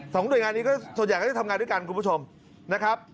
ส่วนใหญ่ก็จะทำงานด้วยกันคุณผู้ชมนะครับ